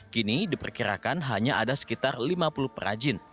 kini diperkirakan hanya ada sekitar lima puluh perajin